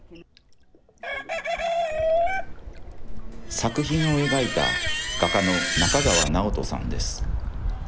作品を描いた画家の中川直人さんです。